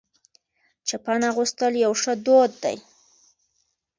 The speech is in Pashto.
چپن اغوستل یو ښه دود دی.